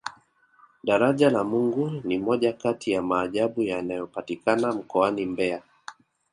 daraja la mungu ni moja Kati ya maajabu yanayopatikana mkoani mbeya